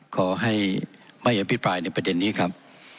ขอให้ไม่อัพพิพายนในประเทศนี้ครับ